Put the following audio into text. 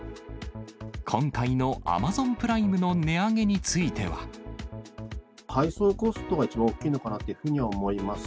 今回のアマゾンプライムの値配送コストが一番大きいのかなというふうには思います。